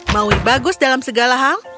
maui bagus dalam segala hal